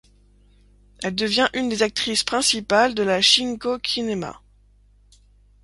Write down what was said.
Elle devient une des actrices principales de la Shinkō Kinema.